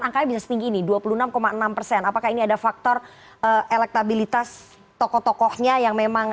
angkanya bisa setinggi ini dua puluh enam enam persen apakah ini ada faktor elektabilitas tokoh tokohnya yang memang